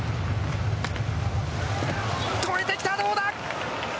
越えてきた、どうだ！